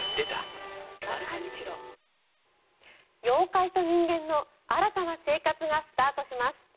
妖怪と人間の新たな生活がスタートします。